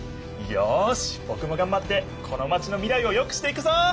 よしぼくもがんばってこのマチの未来をよくしていくぞ！